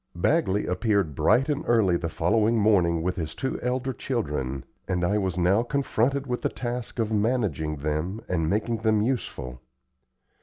Bagley appeared bright and early the following morning with his two elder children, and I was now confronted with the task of managing them and making them useful.